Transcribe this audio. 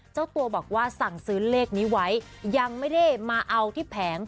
เจ้าตัวบอกว่าสั่งซื้อเลขนี้ไว้ยังไม่ได้มาเอาที่แผง